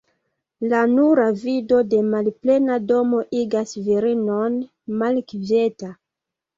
La nura vido de malplena domo igas virinon malkvieta.